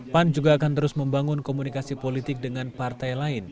pan juga akan terus membangun komunikasi politik dengan partai lain